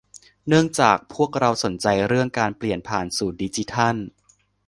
เนื่องจากพวกเราสนใจเรื่องการเปลี่ยนผ่านสู่ดิจิทัล